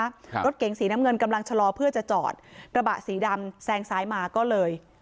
รถเก๋งสีน้ำเงินกำลังชะลอเพื่อจะจอดกระบะสีดำแซงซ้ายมาก็เลย